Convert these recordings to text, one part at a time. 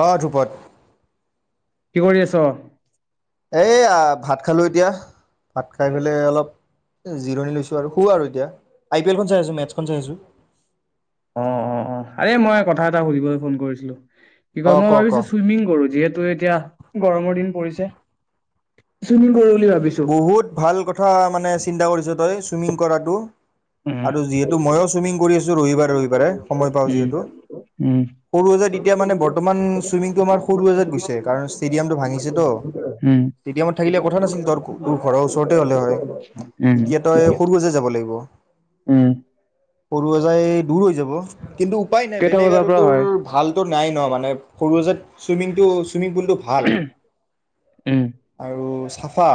অ ধ্ৰুপদ কি কৰি আছ? এই ভাত খালোঁ এতিয়া ভাত খাই পেলাই অলপ জিৰণি লৈছোঁ আৰু শু আৰু এতিয়া আই পি এলখন চাই আছোঁ মেটছখন চাই আছোঁ। অ, অ, অ আৰে মই কথা এটা সুধিবলৈ ফোন কৰিছিলো। কি কয় অঁ মই ক ক ভাবিছো চুইমিং কৰো যিহেতু এতিয়া গৰমৰ দিন পৰিছে চুইমিং- বুলি ভাবিছোঁ। বহুত ভাল কথা মানে চিন্তা কৰিছ তই চুইমিং কৰাটো। উম, আৰু যিহেতু মইো চুইমিং কৰি আছো ৰবিবাৰে ৰবিবাৰে সময় পাওঁ উম, যিহেতু উম, সৰুসজাই এতিয়া মানে বৰ্তমান চুইমিংটো আমাৰ সৰুসজাই গৈছে কাৰণ ষ্টেডিয়ামটো ভাঙিছে তো উম, ষ্টেডিয়ামত থাকিলে কথা নাছিল ত তোৰ ঘৰৰ ওচৰতে হ'লে হয়, উম। এতিয়া তই সৰুসজাই যাব লাগিব। উম। সৰুসজাই দূৰ হৈ যাব। কিন্তু উপায় নাই কেইটা বেলেগ বজাৰ আৰু পৰা তোৰ হয়? ভাল নাই ন মানে সৰুসজাইত চুইমিং চুইমিং পুলটো ভাল, উম। আৰু চাফা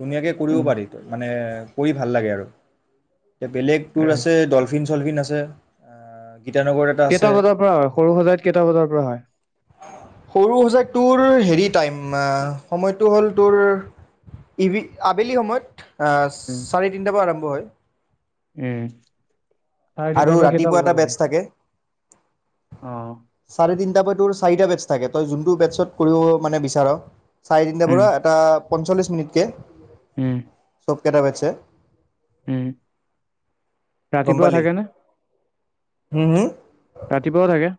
ধুনীয়াকৈ কৰিব উম, পাৰি মানে কৰি ভাল লাগে আৰু এতিয়া বেলেগ তুৰ উম আছে ডলফিন চলবি আ গীতানগৰত এটা কেইটা আছে। বজাৰ পৰা হয় সৰু সজাইত কেইটা বজাৰ পৰা হয়? সৰুসজাই তোৰ হেৰি টাইম সময়টো হ'ল তোৰ ইভি আবেলি সময়ত উম চাৰে তিনিটা পৰা আৰম্ভ হয়। উম। চাৰে আৰু তিনিটাৰ পৰা কেইটা ৰাতিপুৱা বজা এটা লকে বেটছ থাকে অ চাৰে তিনিটা কৈ টোৰ।। চাৰিটা বেছ্ থাকে। তই যোনটো বেতস কৰিব মানে বিচাৰ। চাৰে তিনটাৰ উম, পৰা এটা। পঞ্চল্লিছ মিনিটকে। উম। চব কেইটা বেছে। [inaudible] উম। গম ৰাতিপুৱাও পালি থাকে নে হম হম ৰাতিপুৱাও থাকে?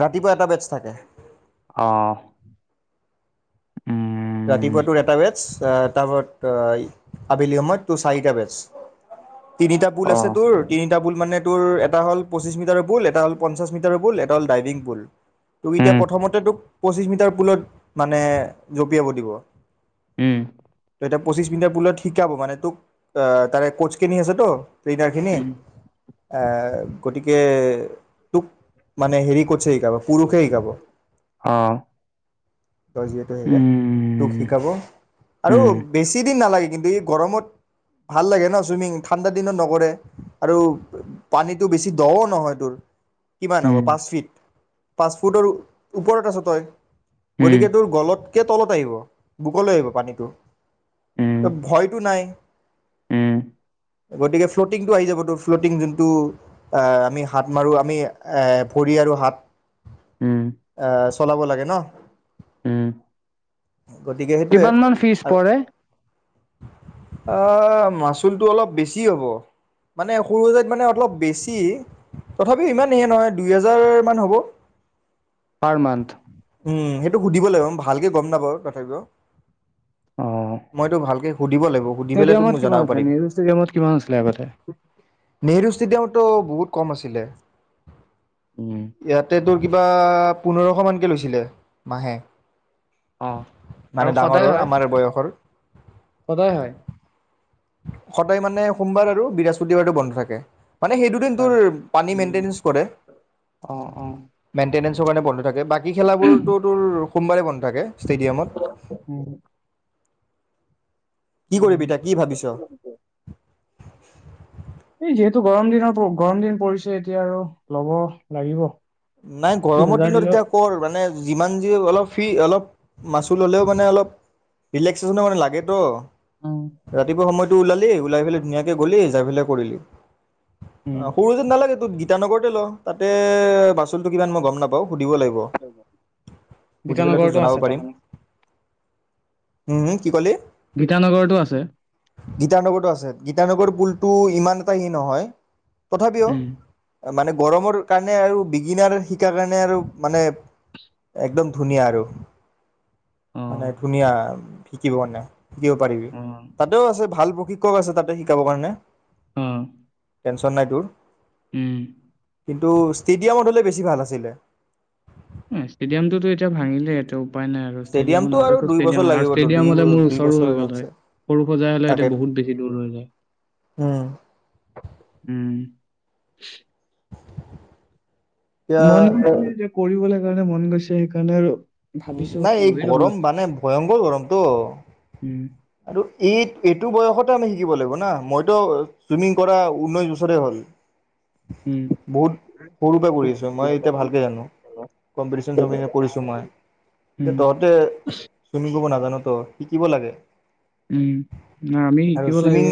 ৰাতিপুৱা এটা বেচ্ থাকে। অ', ৰাতিপুৱা উম। তোৰ এটা বেচ্, তাৰপিচত আবেলি সময়ত তোৰ চাৰিটা বেচ্। তিনিটা পুল আছে অ'। তোৰ তিনিটা পুল মানে টোৰ এটা হল পঁচিছ মিটাৰৰ পুল, এটা হ'ল পঞ্চাশ মিটাৰৰ পুল। এটা হ'ল ডাইনিং পুল। তোক এতিয়া উম, প্ৰথমতে তোক পঁচিশ মিটাৰ পুলত মানে যোগ পিয়াব দিব। উম। ত এতিয়া পঁচিশ মিনিটাৰ পুলত শিকাব মানে তোক অ', তাৰে কোচখিনি আছে তো। পিটাৰখিনি। এই গতিকে তোক মানে হেৰি ক চে শিকাব পুৰুষে শিকাব। তৰ যিহেতু হেয়া। তোক শিকাব আৰু বেছি দিন নালাগে কিন্তু এই গৰমত ভাল লাগে ন' ছুইমিং ঠাণ্ডা দিনত নকৰে আৰু পানীটো বেছি দ' ও নহয় তোৰ। কিমান হ'ব পাঁচ ফিট? পাঁচ ফুটৰ ও-ওপৰত আছ' তই? গতিকে তোৰ গলতকে তলত আহিব বুকৰলৈ আহিব পানীটো, ভয়টো নাই। গতিকে। ফ্ল'টিংটো আহি যাব তোৰ ফ্ল'টিং যোনটো আমি হাত মাৰোঁ, আমি ভৰি আৰু হাত উম, চলাব লাগে ন। গতিকে সেইটোৱে কিমান মান ফীজ পৰে? অ মাচুলটো অলপ বেছি হ'ব। মানে সৰু সজাইত মানে অলপ বেছি। তথাপিও ইমান সেয়ে নহয় দুই হাজাৰমান হ'ব। পাৰ মানথ। উম, সেইটো সুধিব লাগিব ইমান ভালকে। গম নাপাওঁ তথাপিও। অ', মইতো ভালকে সুধিব লাগিব, সুধি পেলায় মই তোক ষ্টেডিয়ামত কিমান জনাব আছিলে? পাৰিম, নেহৰু ষ্টেডিয়ামত কিমান আছিলে আগতে? নেহেৰু ষ্টেডিয়ামতটো বহুত কম আছিলে। উম, ইয়াতে তোৰ কিবা পোন্ধৰ শ মানকৈ লৈছিলে মাহে। অ মানে আৰু ডাঙৰৰ সদায় হয়, আমাৰ বয়সৰ সদায় হয়। সদায় মানে সোমবাৰ আৰু বৃহস্পতিবাৰতো বন্ধ থাকে। মানে সেই দুদিন তোৰ পানী উম, মেইনটেনেঞ্চ কৰে, অ', অ', মেইনটেনেঞ্চৰ কাৰণে বন্ধ থাকে বাকী খেলাবোৰতো তোৰ সোমবাৰে বন্ধ থাকে। ষ্টেডিয়ামত [unintelligible] কি উম, কৰিবি তা কি ভাবিছো? [inaudible] এই যিহেতু গৰম দিনৰ গৰম দিন পৰিছে এতিয়া আৰু লব লাগিব। নাই গৰমৰ দুহেজাৰ দিনত দিলেও এতিয়া কৰ মানে যিমান যি অলপ ফ্ৰী অলপ মাচো ল'লেও মানে অলপ ৰিলেক্সেশ্যনো মানে লাগেতো। উম, ৰাতিপুৱা সময়ত টো ওলালি, ওলাই পেলাই ধুনীয়াকে গলি যাই পেলাই কৰিলি উম, অ' সৰু যে নালাগে তোৰত গীত বিানগৰতে ল তাতে বাছ টোল কিমান মই গম নাপাওঁ। সুধিব লাগিব। সুধি পেলই তোক গীতানগৰতো জনাব আছে পাৰিম। তাৰমানে। ও'ও' কি ক'লি? গীতানগৰতো আছে। তেওঁলোকৰ পুলটো ইমান এটা সি নহয়? তথাপিও? উম, তাৰ মানে গৰমৰ কাৰণে আৰু বি ইনাৰ শিকাৰ কাৰণে আৰু মানে একদম ধুনীয়া আৰু। মানে অ', ধুনীয়া? শিকিব নে? দিব পাৰিবি, অ', তাতেও আছে ভাল শিক্ষক আছে তাতে শিকাবৰ কাৰণে। ও'। টেনশ্যন নাই তোৰ? ও'। কিন্তু, ষ্টিত? তিয়া মত হ'লে বেছি ভাল আছিলে। ষ্টেডিয়াম টোতো এতিয়া ভাঙিলে এতো উপাই নাই আৰু ষ্টেডিয়াম ষ্টেডিয়ামটো আৰু নহলেতো উপায় দুই উপায় বছৰ নাই আৰু ষ্টেডিয়াম নহলেতো ষ্টেডিয়াম আৰু, লাগিব তোৰ ষ্টেডিয়াম দুই হলে মোৰ দুই ওচৰো বছৰ হৈ গ'ল হয়। আৰামছে সৰু সজাই হলে এতিয়া তাকেতো বহুত বেছি দূৰ হৈ যায় উম ও'। [unintelligible] এতিয়া [inaudible] কৰিবলৈ কাৰণে মন গৈছে, সেইকাৰণে আৰু। উ, ভাবিছো নাই এই লৈ ল'বা গৰম মানে ভয়ংকৰ গৰমটো উম, আৰু এই, এইটো বয়সতে আমি শিকিব লাগিব ন, মইতো চুইমিং কৰা ঊনৈশ বছৰে হ'ল। উম। বহুত সৰু পৰা কৰি আছোঁ। মই এতিয়া ভালকে জানো, কম্পিটিচন চম্পিটিন কৰিছো মই, উম, এতিয়া তহঁতে তুমি কব, নাজন। তু, শিকিব লাগে। উ, নাই আমি আৰু শিকিব চুইমিং লাগিব।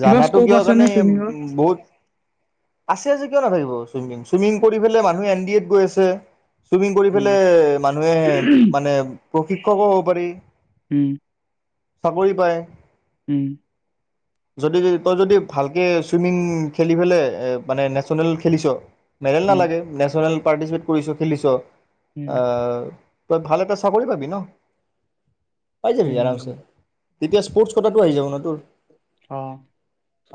কিবা জানাতো স্কপ, কিয় আছেনে কাৰণে চুইমিংত।? বহুত আছে আছে কিয় নাথাকিব চুইমিং, চুইমিং কৰি পেলাই মানুহ এন ডি এফ গৈ আছে। চুইমিং, কৰি উম, পেলাই মানুহে মানে প্ৰশিক্ষকো হব পাৰি। উম চাকৰি পায়। উম যদি, তই যদি ভালকে চুইমিং খেলি পেলাই, মানে নেচনেল খেলিছ। মেৰেল উম, নালাগে নেচনেল পাৰটিচন কৰিছ, খেলিছ। উম, আ তই, ভাল এটা চাকৰি পাবি ন। পাই যাবি উম, আৰামছে, জেতিয়া স্পৰ্টছ পদাকটো আহি যাব ন তোৰ, অ'।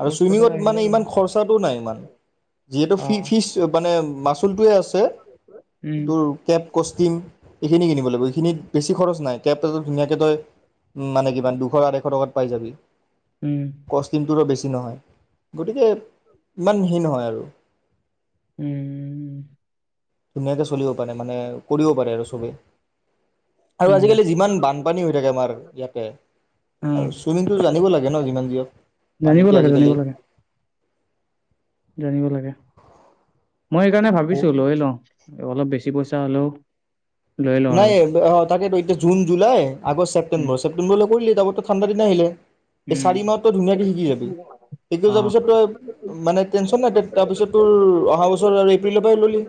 আৰু কোটাত ছুইমিংত আহিলে মানে হ'ব ইমান খৰচাটো নাই। যিহেতু ফি অ', ফিজ মনে মাছুল টুহে আছে পাই জাবি আৰামচে, উম, জেতিয়া স্কপ'পদাকটো আহি জাব ন তু। আৰু চুইমিং ইমান খৰছাতু নাই। যিহেতু ফি ফিচ মানে মাচুলটোৱে আছে তোৰ কেপ কষ্টিম এইখিনি কিনিব লাগিব। এইখিনিত বেছিখৰচ খৰচ নাই [inaudible] তই, মানে কিমান দুশ আঢ়ৈশ টকাত পাই যাবি। উম। কষ্টটিং টো বেছি নহয়। গতিকে ইমান হেৰি নহয় আৰু। উম ধুনীয়াকে চলিব পাৰে মানে। কৰিব পাৰে আৰু চবেই। আৰু উম, আজিকালি যিমান বানপানী হৈ থাকে আমাৰ ইয়াতে। উম, আৰু ছুইমিংটো জানিব লাগে ন, যিমান যি হক, জানিব পানীতে লাগে, আজি জানিব কলি। লাগে, জানিব লাগে। মই এই কাৰণে ভাবিছো বহুত লৈ লওঁ অলপ বেছি পইছা হেঁলৌ, নাই অ, তাকেতু এতিয়া June, July, August, um, September, ছেপ্তেম্বৰলৈ কৰি আঁছো। মোৰ তু ঠাণ্ডা দিন আহিলে। এই চাৰি উম, মাহত তই ধুনীয়াক শিকি যাবি, শিকি যোৱাৰ পিছত অ', তই, মানে টেনচণ নাই তাৰপিছত তোৰ অহা বছৰ আৰু এপ্ৰিলৰ পৰা ল'লি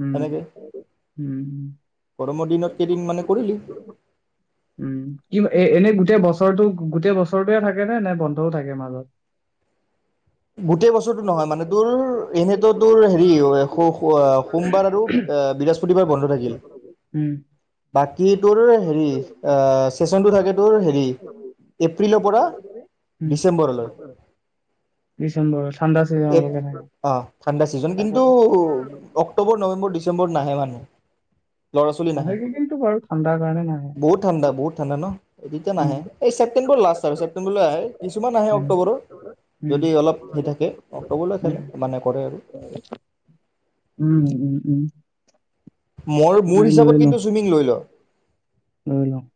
উম, তেনেকে উম, গৰমৰ দিনত কেইদিন মানে কৰিলি? বছৰৰতো গোটেই বছৰ ওচৰতে থাকে নে বন্ধও থাকে মাজত। গোটেই বছৰটো নহয় মানে তোমাৰ এনে। তোমাৰ হেৰি। সোমবাৰ আৰু বৃহস্পতিবাৰ। বন্ধ থাকিল। উম, বাকী তোৰ হেৰি আহ। সেচনটো থাকে তোৰ হেৰি এপ্ৰিলৰ পৰা। উম, ডিচেম্বৰলৈ। ডিচেম্বৰ। ঠাণ্ডা চিজনলৈকে থাকে। অ' ঠাণ্ডা ছিজন কিন্তু তাকেতো, অক্টোবৰ। নৱেম্বৰ ডিচেম্বৰত নাহে মানুহ। লৰা-ছোৱালী নাহে সেইকেইদিনটো বাৰু ঠাণ্ডাৰ কাৰণে নাহে। বহুত ঠাণ্ডা বহুত ঠাণ্ডা নহ। এতিয়া নাহে উম, এই ছেপ্টেম্বৰ লাষ্ট। ছেপ্টেম্বৰলৈ আহে। কিছুমান আহে উম, অক্টোবৰত উম, যদি অলপ সেই থাকে। অক্টোবৰ। সকলোৱে উম, খেলে মানে। হয় আৰু। উম উম উম। মই মোৰ নাই লৈ হিচাপত লওঁ, কিন্তু চুইমিং লৈ লহ। লৈ লহ।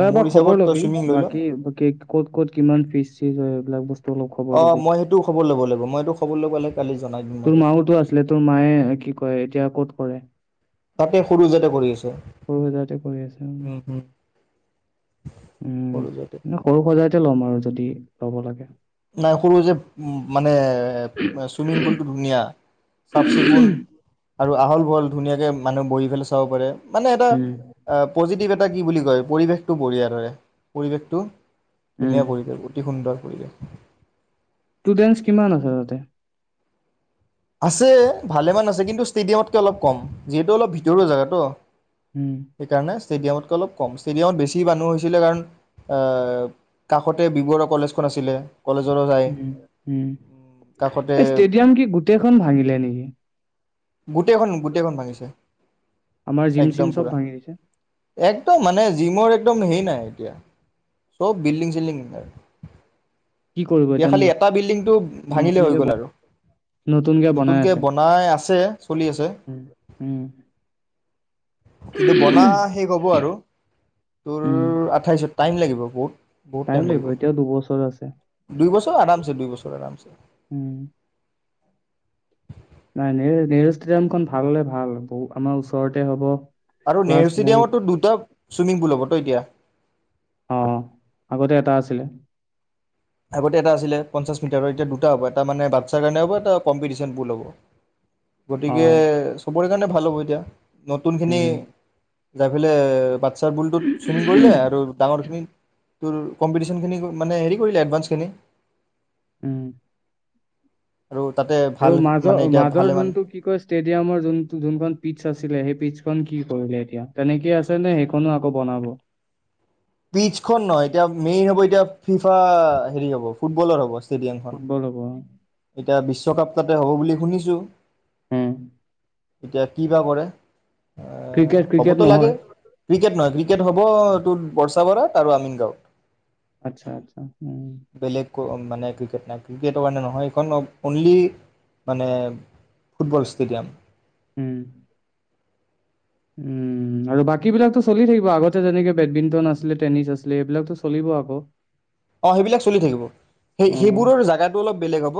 তই মোৰ এবাৰ হিচাপত খবৰ তই ল'বি চুইমিং লৈ ল বাকি ক'ত ক'ত কিমান ফিজ চিজ। [unintelligible] অ' ল'বি মই সেইটোও খবৰ ল'ব লাগিব মই এইটো খবৰ ল'ব লাগে। তোৰ মায়েটো আছিলে তোৰ মায়ে কি কয় এতিয়া। ক'ত পঢ়ে। তাতে সূৰুযহ'তে কৰি আছে সজাইতে কৰি আছে উম হম। উম সৰুজতে মই সৰুসজাইতে লম আৰু যদি। ল'ব লাগে। নাই সৰুযে মানে চুইমিং পুলটো ধুনীয়া চাফ-চিকুণ। আৰু অহল-বহল ধুনীয়াকৈ মানুহ বহি পেলাই চাব পাৰে। মানে এটা উম পজিটিভ এটা। কি বুলি কয় পৰিৱেশটো বঢ়িয়া তাৰে পৰিৱেশটো। উম ধুনীয়া পৰিৱেশ। অতি সুন্দৰ। কৰিব। ষ্টুডেন্ছ কিমান আছে তাতে? আছে, ভালেমান আছে। কিন্তু ষ্টেডিয়ামতকে অলপ কম। যিহেতু অলপ ভিতৰুৱা জাগাটো। উম সেইকাৰণে ষ্টেডিয়ামতকে অলপ কম। ষ্টেডিয়ামত বেছি মানুহ হৈছিলে কাৰণ এ, কাষতে বি বৰুৱা কলেজখন আছিলে। কলেজৰো যায় উম, উম, কাষতে এ ষ্টেডিয়াম কি গোটেই খন ভাঙিলে নেকি। গোটেইখন-গোটেইখন ভাঙিছে। আমাৰ জিম চিম একদম চব পুৰা, ভাঙি দিছে একদম মানে জিমৰ একদম হেইন নাই এতিয়া। চব বিল্ডিং-চিল্ডিং কি কৰিব এতিয়া খালি। ন- এটা বিল্ডিংটো ভাঙিলে হৈ নতুনকে গ'ল বন- আৰু বনাই নতুনকে আছে বনাই আছে চলি আছে। উম উম কিন্তু বনা শেষ হ'ব আৰু তোৰ উম আঠাইছত টাইম লাগিব। বহুত টাইম লাগিব। এতিয়াও দুবছৰ আছে। দুই বছৰ আৰামচে। দুই বছৰ উম আৰামচে। নেহেৰু ষ্টেডিয়ামখন ভাল হ'লে ভাল। বহু আমাৰ ওচৰতে হ'ব। আৰু প্লাছ নেহেৰু বহুত ষ্টেডিয়ামতটো দুটা চুইমিং পুল হ'ব ত' এতিয়া। অ, আগতে এটা আছিলে। আগতে এটা আছিলে। পঞ্চাশ মিটাৰৰ এতিয়া দুট দুটা হ'ব। এটা মানে বাচ্ছাৰ কাৰণে হ'ব। এটা কম্পিটিচন পুল হ'ব। অ গতিকে চবৰে সেইকাৰণে ভাল হ'ব এতিয়া। নতুন খিনি উম যাই পেলে বাট চ্ছা পুলটোত চুইমিং কৰিলে আৰু ডাঙৰ খিনি তোৰ কম্পিটিচন খিনিক মানে হেৰি ক ৰিলে এডভান্স খিনি উম। আৰু তাতে আৰু ভাল মানে এতিয়া মাজ-মাজৰ ভালে মানে যোনটো কি কয়, ষ্টেডিয়ামৰ যোনটো-যোনখন পিটছ আছিলে। সেই পিটছ খন কি কৰিলে এতিয়া তেনেকে আছে নে সেইখনো আকৌ বনাব। পিটছখন নহয়। এতিয়া মেইন হ'ব এতিয়া ফিফা হেৰি হ'ব, ফুটবলৰ হ'ব। ষ্টেডিয়ামখন ফুটবল হ'ব অ। এতিয়া বিশ্বকাপ তাতে হ'ব বুলি শুনিছো হম। এতিয়া কিবা কৰে। এ ক্ৰিকেট ক্ৰিকেট হ'বতো লাগে নহয় ৰিগেট নহয় ৰিগেট হ'ব এইটো বৰ্ষাপাৰাত আৰু আমিনগাঁৱত আচ্ছা আচ্ছা হম ক'ম মানে ক্ৰিকেট নাই ক্ৰিকেটৰ কাৰণে নহয় [unintelligible] অনলি মানে ফুটবল ষ্টেডিয়াম। উম। উম, আৰু বাকীবিলাকতো চলি থাকিব আগতে যেনেকে বেডমিণ্টন আছিলে টেনিছ আছিলে এইবিলাকতো চলিব আকৌ। অ', সেইবিলাক চলি থাকিব। অ সেই-সেইবোৰৰ জাগাটো অলপ বেলেগ হ'ব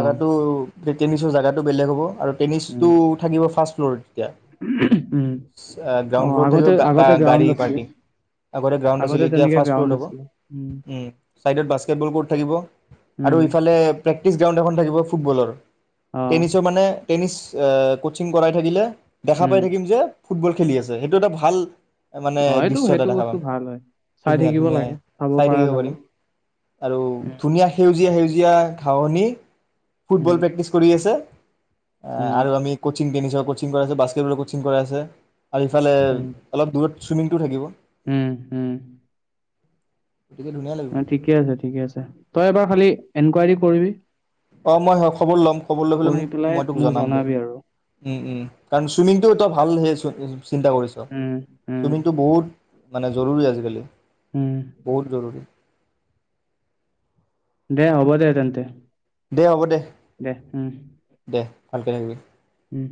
অ তে টেনিছৰ জাগাটো বেলেগ হ'ব। আৰু উম টেনিছটো থাকিব ফাষ্ট [inaudible] উম, গ্ৰাউণ্ড অ', ফ্ল'ৰ থাকিব আগতে আগতে গ্ৰাউণ্ড গাড়ী আছিল। পাৰ্কিং গ্ৰাউণ্ড আগতে আছিলে এতিয়া তেনেকে ফাৰ্ষ্ট গ্ৰাউণ্ড ফ্ল'ৰত হ'ব নাছিল, উম। উম, ছাইডত বাস্কেটবল বৰ্ড থাকিব আৰু উম ইফালে প্ৰেক্টিচ গ্ৰাউণ্ড এখন থাকিব। ফুটবলৰ। অ টেনিছৰ মানে টেনিছ অ, কোচিং কৰাই থাকিলে দেখা উম পাই থাকিম যে। ফুটবল খেলি আছে হেইটো এটা ভাল মানে অ', এইটো দৃশ্য এটা হেইটো দেখা বস্তু পাম ভাল হয়, চাই থাকিব লাগে। চাব দেৰি পৰা হ'ব যাব দে আৰু উম ধুনীয়া সেউজ সেউজীয়া সেউজীয়া ঘাঁহনী উম ফুটবল প্ৰেক্টিচ কৰি আছে। আহ উম আৰু আমি ক'ত চিং টেনিছৰ কোচিং কৰাই আছে, বাস্কেটবলৰ কোচিং কৰাই আছে। আৰু ইফালে উম অলপ দূৰত চুইমিংটো থাকিব। উম, হম গতিকে ধুনীয়া লাগিব অ', ঠিকে আছে। ঠিকে আছে। তই এবাৰ খালী এংকুৱাৰি কৰিবি। অ', মই হয় খবৰ ল'ম খবৰ লৈ পেলাই কৰি মোক মই তোক মোক জনাম দে। জনাবি আৰু উম, উম, কাৰণ চুইমিংটো এটা ভা ভাল [unintelligible] চিন্তা কৰিছ, উম উম ছুইমিংটো বহুত মানে জৰুৰী আজিকালি। উম বহুত জৰুৰী। এ, হ'ব দে তেন্তে। দে, হ'ব দে, দে। ভালকে থাকিবি। উম।